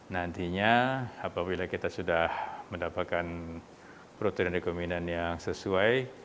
nantinya apabila kita sudah mendapatkan protein rekombinan yang sesuai